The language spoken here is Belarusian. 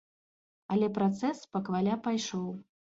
Але працэс спакваля пайшоў.